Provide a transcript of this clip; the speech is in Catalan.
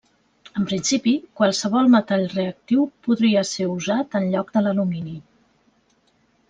En principi, qualsevol metall reactiu podria ser usat en lloc de l'alumini.